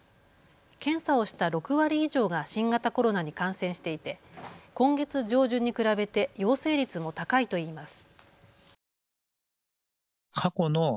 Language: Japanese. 検査をした６割以上が新型コロナに感染していて今月上旬に比べて陽性率も高いといいます。